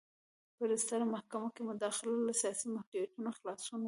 په ستره محکمه کې مداخله له سیاسي محدودیتونو خلاصون و.